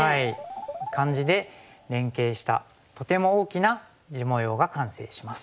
感じで連携したとても大きな地模様が完成します。